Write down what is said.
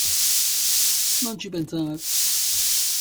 Non ci pensare.